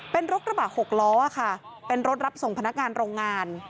เป็นรถกระบะ๖ล้อค่ะเป็นรถรับส่งพนักงานโรงงาน